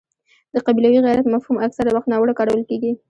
د قبیلوي غیرت مفهوم اکثره وخت ناوړه کارول کېږي.